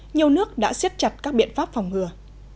nhiều nước đã xiết chặt các biện pháp phòng ngừa